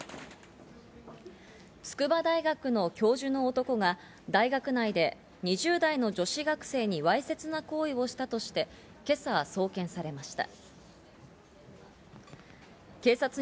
筑波大学の教授の男が大学内で２０代の女子学生にわいせつな行為をしたとして今朝、送検されました。